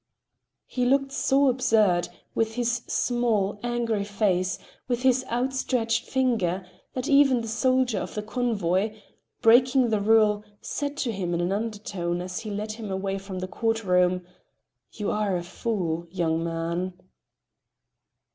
He looked so absurd, with his small, angry face, with his outstretched finger, that even the soldier of the convoy, breaking the rule, said to him in an undertone as he led him away from the courtroom: "You are a fool, young man!"